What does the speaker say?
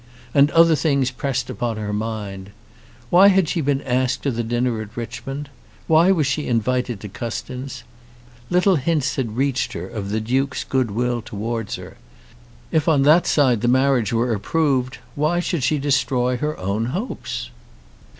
And other things pressed upon her mind. Why had she been asked to the dinner at Richmond? Why was she invited to Custins? Little hints had reached her of the Duke's goodwill towards her. If on that side the marriage were approved, why should she destroy her own hopes?